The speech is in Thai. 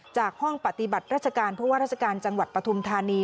จากห้องปฏิบัติราชการผู้ว่าราชการจังหวัดปฐุมธานี